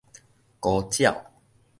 孤鳥